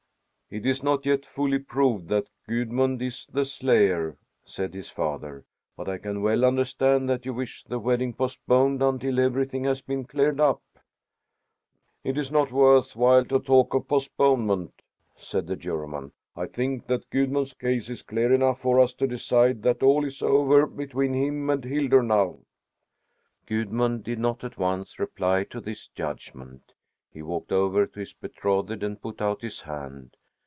"It is not yet fully proved that Gudmund is the slayer," said his father, "but I can well understand that you wish the wedding postponed until everything has been cleared up." "It is not worth while to talk of postponement," said the Juryman. "I think that Gudmund's case is clear enough for us to decide that all is over between him and Hildur now." Gudmund did not at once reply to this judgment. He walked over to his betrothed and put out his hand.